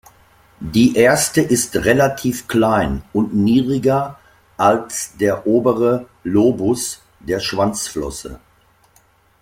Die erste ist relativ klein und niedriger als der obere Lobus der Schwanzflosse.